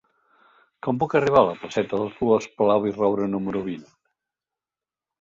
Com puc arribar a la placeta de Dolors Palau i Roura número vint?